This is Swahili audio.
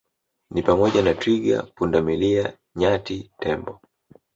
ni pamoja na twiga pundamilia nyati tembo